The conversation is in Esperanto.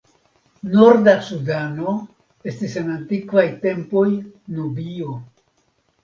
Norda Sudano estis en antikvaj tempoj Nubio.